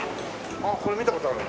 あっこれ見た事ある。